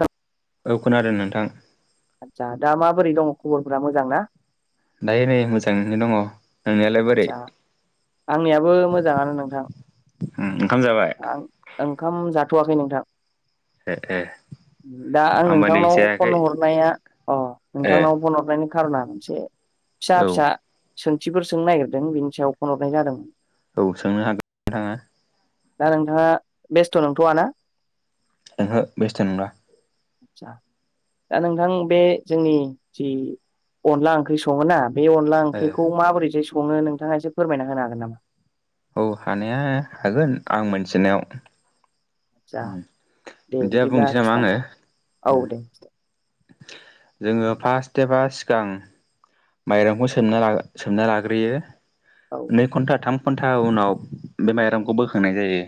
औ औ खोनादों नोंथां आदसा दा माबोरै दङ खबरफोरा मोजां ना दायो नै मोजाङैनो दङ नोंनियालाय बोरै आदसा आंनियाबो मोजाङानो नोंथां ओंखाम जाबाय आ ओंखाम जाथ'वाखै नोंथां ए ए दा आं आंबो नै नोंथांनाव जायाखै फन हरनाया अ ए नोंथांनाव फन हरनायनि खार'ना मोनसे औ फिसा फिसा सोंथिफोर सोंनो नागिरदों बिनि सायाव फनहरनाय जादोंमोन औ सोंनो हागोन नोंथाङा दा नोंथाङा बेस्थ' नंथ'व ना नोंहाो बेस्थ' नंला आतसा दा नोंथां बे जोंनि जि अनला ओंख्रि सङोना बेन अब्ला ए ओंखखौ माबोरै सङो नोंथाङा एसे फोरमायना होनो हागोन नामा औ हानाया हागोन आं मोनथिनायाव आदसा दे बिदिया बिदिब्ला बुंनोसै नामा आङो खिथानो औ दे खिथ जोङो फार्स्ट एबा सिगां माइरंखौ सोमना सोमना लाग्रोयो औ नै घन्टा थाम घन्टा उनाव बे माइरंखौ बोखांनाय जायो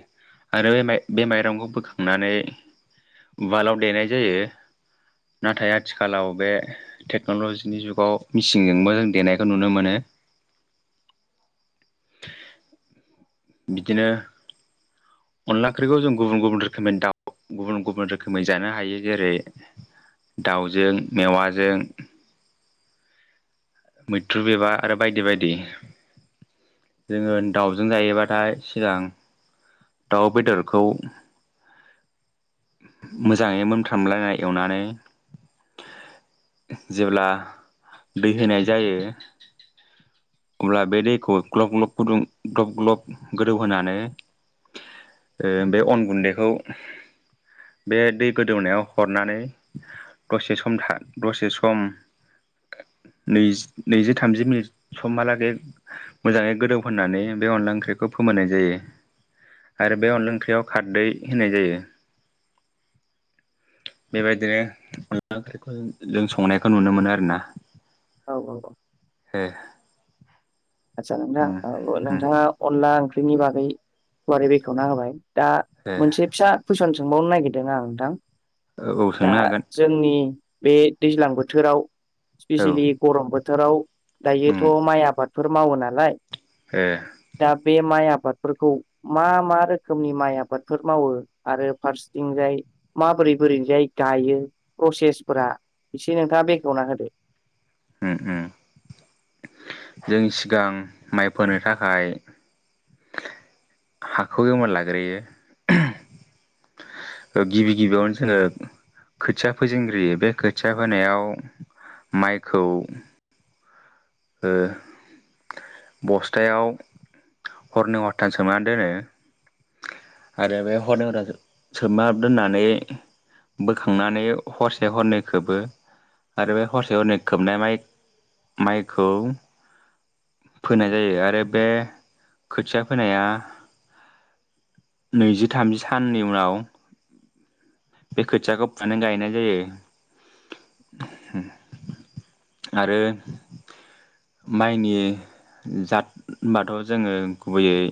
आरो बे बे माइरंखौ बोखांनानै उवालाव देनाय जायो नाथाय आथिखालाव बे टेक्न'लजिनि जुगाव मिेसिनजोंबो जों देनायखौ नुनो मोनो बिदिनो अनला ओंख्रिखौ जों गुबुन गुबुन रोखोमनि दाउ गुबुन गुबुन रोखोमै जानो हायो जेरै दाउजों मेवाजों मैथ्रु बिबार आरो बायदि बायदि। जोंङो दाावजों जायोबाथाय सिगां दाउ बेदरखौ मोजाङै मोनफ्रामलायनाय एवनानै जेब्ला दै होनाय जायो अब्ला बे दैखौ ग्लब ग्लब गुदुं ग्लब ग्लब गोदौहोनानै बे अन गुन्दैखौ बे दै गोदौनायाव हरनानै दसे सम था दसे सम न नैजि थामजि मिनिट समहालागै मोजाङै गोदौ होननानै बे अनला ओंख्रिखौ फोमोनाय जायो आरो बे अनदला ओंख्रियाव खारदै होनाय जायो बेबायदिनो अनला ओंख्रिखौ जों संनायखौ नुनो मोनो आरो ना औ औ-औ ए आदसा नोंथां उम औ उम नोंथाङा अनला ओंख्रिनि बागै गुवारै बेखेवना होबाय दा ए मोनसे फिसा कुइसन सोंबावनो नागिरदों? आं नोंथां औ दा सोंनो हागोन जोंनि बे दैज्लां बोथोराव औ स्पेसियेलि गरम बोथोराव उम दायोथ' माइ आबादफोर मावो नालाय ए दा बे माइ आबादफोरखौ मा मा रोखोमनि माइ आबादफोर मावो आरो फारसेथिंजाय? माबोरै बोरैजाय गायो प्रसेसफोरा एसे नोंथांङा बेखेवना होदो। जों सिगां माइफोरोनो थाखाय हाखौ गोमोन लाग्रोयो गिबि गिबियावनो जोंङो खोथिया फोजेनग्रोयो बे खोथिया फोनायाव माइखौ ओ बस्थायाव हरनै हरथाम सोमनानै दोनो आरो बे हर हद्रा सोमा दोननानै बोखांनानै हरसे हरनै खोबो। आरो बे हरसे हरनै खोबनायाइ माइखौ फोनाय जायो। आरो बे खोथिया फोनाया नैजि थामजि साननि उनाव बे खोथियाखौव फुना नै गायनाय जायो। आरो माइनि जादबाथ' जोंङो गुबैयै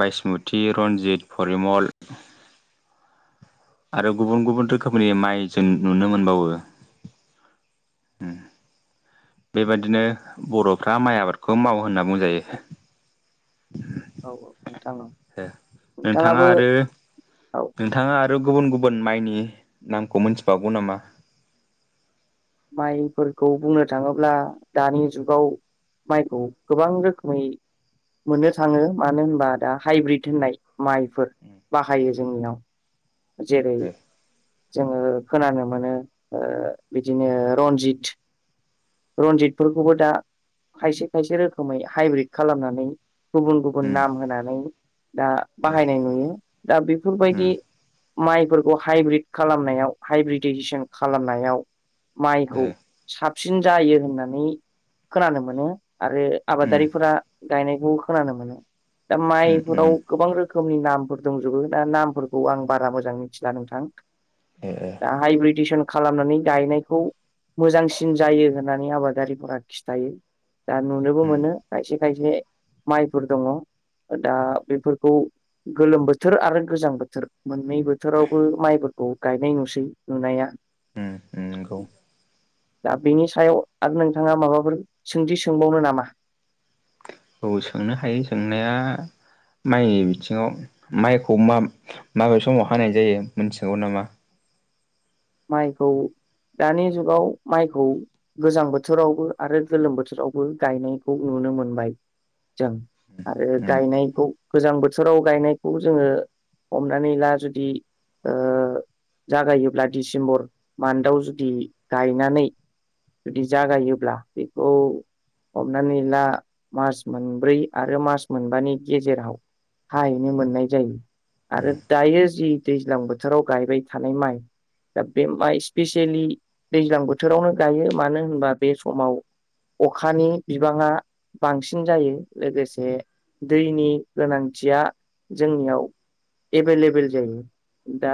बायसमुति, रन्जित, परिमल, आरो गुबुन गुबुन रोखोमनि माइ जों नुनो मोनबावो बेबादिनो बर'फ्रा माइ आबादखौ मावो होनना बुंजायो। औ औ नोंथां। ए नोंथांङा नोंथाङाबो आरो औ नोंथांङा आरो गुबुन गुबुन माइनि नामखौ मिथिबावगौ नामा? माइफोरखौ बुंनो थांङोब्ला दानि जुगाव माइखौ गोबां रोखोमै मोननो थांङो मानो होनबा दा हाइब्रिद होननाय माइफोर बाहायो जोंनियाव जेरै जोंङो खोनानो मोनो बिदिनो रनजित। रनजितफोरखौबो दा खायसे खायसे रोखोमै हाइब्रिद खालामनानै गुबुन गुबुन उम नाम होनानै दा उम बाहायनाय नुयो दा बेफोरबायदि माइफोरखौ हाइब्रिद खालामनायाव हाइब्रिदजेसन खालामनायाव ए माइखौ साबसिन जायो होननानै खोनानो मोनो आरो उम आबादारिफोरा गायनायखौ खोनानो मोनो दा उम माइफोराव उम गोबां रोखोमनि नामफोर दंजोबो दा नामफोर खौ आं बारा मोजां मिथिला नोंथां। ओ-ओ। दा हाइब्रिदिसन खालामनानै गायनायखौ मोजांसिन जायो होननानै आबादारिफोरा खिथायो दा नुनोबो उम मोनो खायसे खायसे माइफोर दङ। दा बेफोरखौ गोलोम बोथोर आरो गोजां बोथ मोननै बोथोरावबो माइफोरखौ गायनाय नुसै नुनाया नंगौ। दा बेनि सायाव आरो नोंथांङा माबाफोर सोंथि सोंबावनो नामा? औ सोंनो हायो सोंनाया माइनि बिथिंङाव माइखौ माबे समाव हानाय जायो मोनथिगौ नामा? माइखौ दानि जुगाव माइखौ गोजां बोथोरावबो आरो गोलोम बोथोरावबो गायनायखौ नुनो मोनबाय। जों आरो उम गायनायखौ? गोजां बोथोराव गायनायखौ जोङो हमनानै ला जुदि ओ जागायोब्ला डिसेम्बर माण्डाव जुदि गायनानै जुदि जागायोब्ला बेखौ हमनानै ला मास मोनब्रै आरो मासमोनबानि गेजेराव हाहैनो मोननाय जायो। आरो दायो जि दैज्लां बोथोराव गायबाय थानाय माइ दा बे मा स्पेसियेलि दैज्लां बोथोरावनो गायो मानो होनबा बे समाव अखानि बिबाङा बांसिन जायो लोगोसे दैनि गोनांथिया जोंनियाव एबेल-एबेल जायो। दा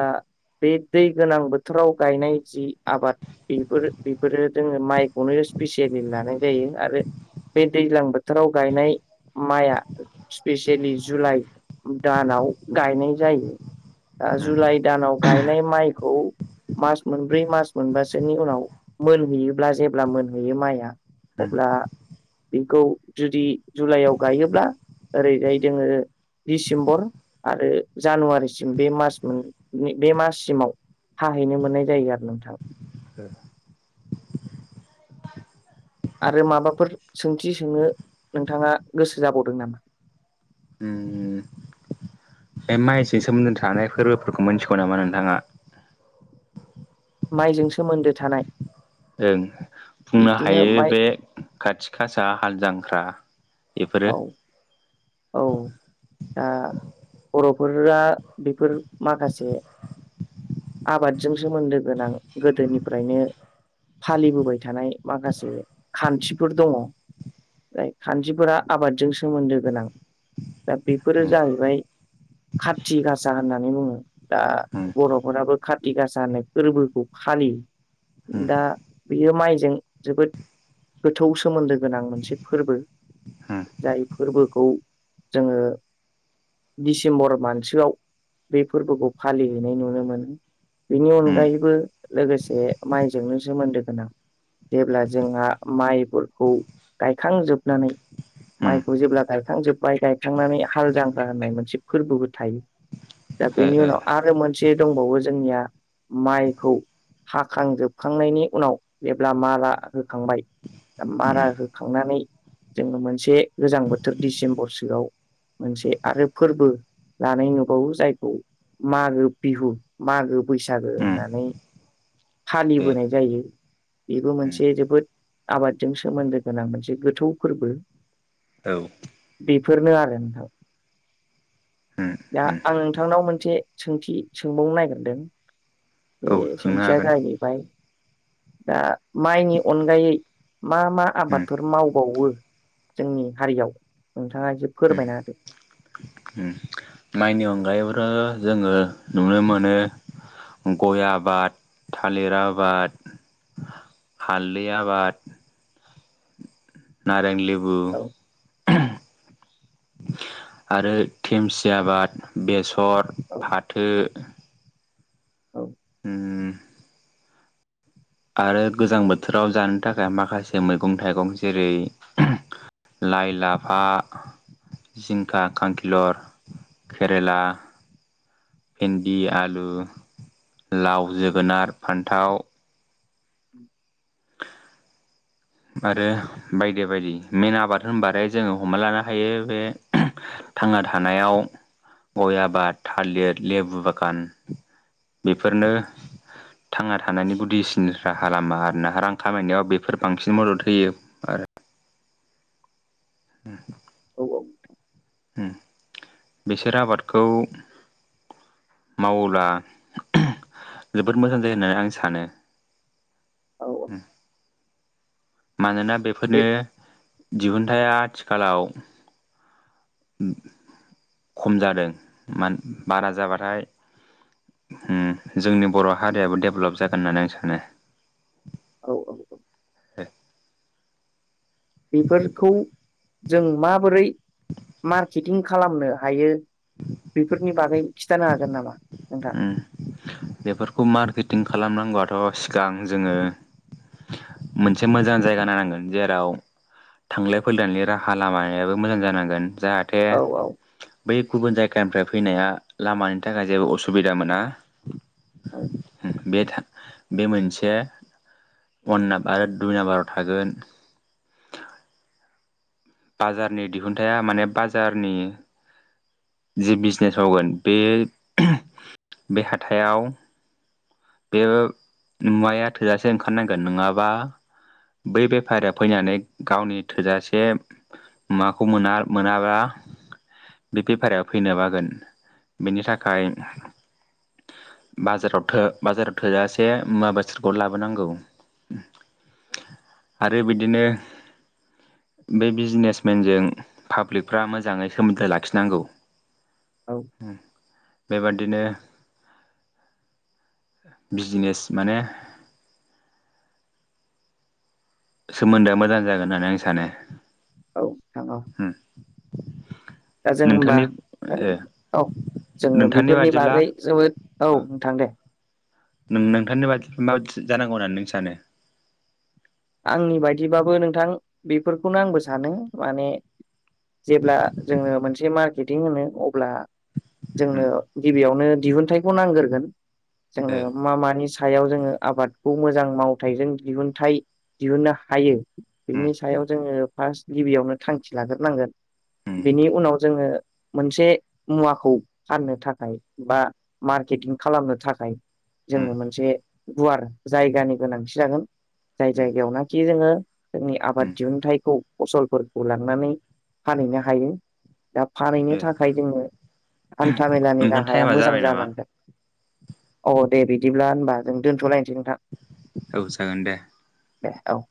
बे दै गोनां बोथोराव गायनाय जि आबाद बेफोर बेफोरो जोङो माइखौनो स्पिसियेलि लानाय जायो आरो बे दैज्लां बोथोराव गायनाय माइआ स्पेसियेलि जुलाइ दानाव गायनाय जायो। दा उम जुलाइ दानाव गायनाय माइखौ मास मोनब्रै मास मोनबासोनि उनाव मोनहैयोब्ला जेब्ला मोनहैयो माइआ उम अब्ला बेखौ जुदि जुलाइयाव गायोब्ला ओरैजाय जोङो डिसेम्बर आरो जानुवारिसिम बे मास मोन बे माससिमाव हाहैनो मोननाय जायो आरो नोंथां। आरो माबाफोर सोंथि सोंनो नोंथाङा गोसो जाबावदों नामा। उम बे माइसो सोमोन्दो थानाय फोरबोफोरखौ मिथिगौ नामा नोंथाङा। माइजों सोमोन्दो थानाय ओं बुंनो बिदिनो हायो माइ बे खाथि खासा हाल जांख्रा बेफोरो औ-औ दा बर'फोरा बेफोर माखासे आबादजों सोमोन्दो गोनां गोदोनिफ्रायनो फालिबोबाय थानाय माखासे खान्थिफोर दङ। जाय खान्थिफोरा आबादजों सोमोन्दो गोनां दा बेफोरो उम जाहैबाय खाथथि गासा होननानै बुङो। दा उम बर'फोराबो खाथि गासा होननाय फोरबोखौ फालियो। उम दा बियो माइजों जोबोद गोथौ सोमोन्दो गोनां मोनसे फोरबो। उम जाय फोरबोखौ जोङो डिसेम्बर मानसोआव बे फोरबोखौ फालिहैनाय नुनो मोनो। बेनि अनगायैबो लोगोसे माइजोंनो सोमोन्दो गोनां जेब्ला जोंहा माइफोरखौ गायखांजोबनानै उम उम माइखौ जेब्ला गायखांजोबबाय गायखांनानै हाल जांख्रा होननाय मोनसे फोरबोबो थायो। दा बेनि उनाव आरो मोनसे दंबावो जोंनिया माइखौ हाखांजोबखांनायनि उनाव जेब्ला माला होखांबाय। ओ मारा होखांनानै जोङो मोनसे गोजां बोथोर डिसेम्बरसोआव मोनसे आरो फोरबो लानाय नुबावो जायखौ मागो बिहु मागो बैसागो होननानै फालिबोनाय जायो। बेबो मोनसे जोबोद आबादजों सोमोन्दो गोनां मोनसे गोथौ फोरबो। औ। बेफोरनो आरो नोंथां। उम दा आं उम नोंथांनाव मोनसे सोंथि सोंबावनो नागिरदों। ओ उम औ उम औ बे सोंनो सोंथिया हागोन जायो बाय दा माइनि अनगायै मा-मा उम आबादफोर मावबावो जोंनि हारियाव नोंथाङा एसे फोरमायना होदो। ओम माइनि अनगायैबोरो जोङो नुनो मोनो। गय' आबाद, थालिर आबाद, हालदै आबाद नारें लिबु औ आरो थेमसि आबाद बेसर, औ फाथो, औ उम आरो गोजां बोथोराव जानो थाखाय माखासे मैगं थाइगं जेरै लाय, लाफा, जिंखा, खांखिलर केरेला भिन्दि, आलु, लाव, जोगोनार, फान्थाव [inaudible] आरो बायदि बायदि मेन आबाद होमबाथाय जोङो हमना लानो हायो। बे थांना थानायाव गय' आबाद, थालिर, लेबु बागान बेफोरनो थांना थानायनि गुदिसिन राहा लामा आरो ना। रां खामायनायाव बेफोर बांसिन मदद होयो। उम औ औ। उम बिसोर आबादखौ मावोला जोबोद मोजां जायो होनना आं सानो। औ औ उम। मानोना बेफोरनो बे दिहुन्थाया आथिखालाव उम खम जादों। मान‌ बारा जाबाथाय उम जोंनि बर' हारियाबो डेभलप जागोन होननानै आं सानो। औ औ। औ बेफोरखौ जों माबोरै मार्केटिं खालामनो हायो? बेफोरनि बागै खिथानो हागोन नामा नोंथां? उम बेफोरखौ मार्केटिं खालामनांगौआथ' सिगां जोङो मोनसे मोजां जायगा नायनांगोन जेराव थांलाय फैलायनि राहा लामायाबो मोजां जानांगोन जाहाथ थे औ औ बै गुबुन जायगानिफ्राय फैनाया लामानि थाखाय जेबो उसु सुबिदा मोना औ उम बे था बे मोनसे अवान नाबा दुय नाम्बाराव थागोन। बाजारनि दिहुनथाया माने बाजारनि जि बिजनेस मावगोन बे बे हाथायाव बे मुवाया थोजासे ओंखारनांगोन नोङाबा बै बेफारिया फैनानै गावनि थोजासे माखौ मोना मोनाबा बे बेफारिया‌ फैनो बागोन बेनि थाखाय बाजाराव थो बाजाराव थोजासे मुवा बेसादखौ लाबोनांगौ उम। [inaudible] आरो बिदिनो बे बिजनेसमेनजों पाब्लिकफ्रा मोजाङै सोमोन्दो लाखिनांगौ। [inaudible] औ। उम बेबादिनो बिजिनेस माने सोमोन्दोआ मोजां जागोन होननानै आं सानो। औ थां औ। उम दा जों होमबा नोंथांनि ओं ओ औ जोङो नोंथांनि बेफोरनि बादिब्ला बागै जोबोद औ अ नोंथां दे। नों नोंथांनि बादि माबादि जानांगौ होननानै नों सानो? आंनि बायदिबाबो नोंथां बेफोरखौनो आंबो सानो माने जेब्ला जोङो मोनसे मार्केटिं होनो अब्ला जोंनो उम गिबियावनो दिहुनथाइखौ नांग्रोगोन ओ जोंनो मा मानि सो सायाव जोङो आबादखौ मोजां मावथाइजों दिहुनथाइ दिहुननो हायो उम बिनि सायाव जोङो फार्स्ट गिबियावनो थांखि लाग्रोनांगोन उम बेनि उनाव जोङो मोनसे मुवाखौ फाननो थाखाय बा मार्केटिं खालामनो थाखाय जोङो उम मोनसे गुवार जायगानि गोनांथि जागोन जाय उम जायगायावनाखि जोङो जोंनि उम आबाद दिहुनथाइखौ फसलफोरखौ लांनानै फानहैनो हायो दा फानहैनो ओ थाखाय जोङो हान्था मेलानि नोंथां राहाया टाइमा मोजां जाबाय नामा? जालांगोन अ दे बिदिब्ला होनबा जों दोनथ'लायनोसै नोंथां औ जागोन दे दे औ